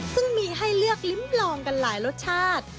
ซึ่งมีให้เลือกลิ้มลองกันหลายรสชาติ